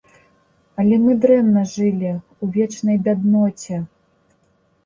Але мы дрэнна жылі, у вечнай бядноце.